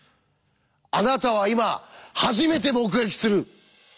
あなたは今初めて目撃する！